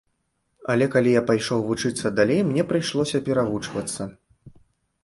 Але, калі я пайшоў вучыцца далей, мне прыйшлося перавучвацца.